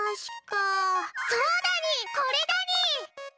そうだにぃこれだにぃ！